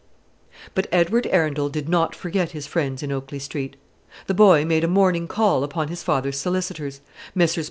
But Edward Arundel did not forget his friends in Oakley Street. The boy made a morning call upon his father's solicitors, Messrs.